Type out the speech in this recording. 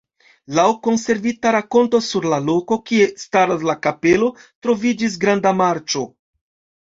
Laŭ konservita rakonto sur la loko, kie staras la kapelo, troviĝis granda marĉo.